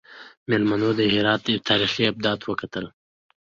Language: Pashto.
میلمنو د هرات تاریخي ابدات وکتل.